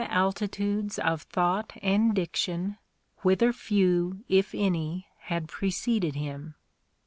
altitudes of thought and diction, whither few, if any, had preceded him.